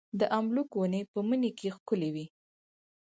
د املوک ونې په مني کې ښکلې وي.